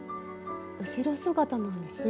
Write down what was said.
後ろ姿なんですよ。